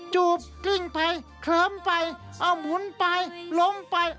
จูบกลิ้งไปเคลิ้มไปเอาหมุนไปลงไป